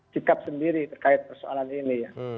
cikap sendiri terkait persoalan ini